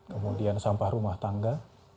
kemudian sampah rumah tangga